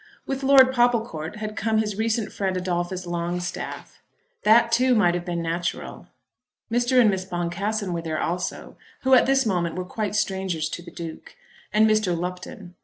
With Lord Popplecourt had come his recent friend Adolphus Longstaff. That too might have been natural. Mr. and Miss Boncassen were there also, who at this moment were quite strangers to the Duke; and Mr. Lupton.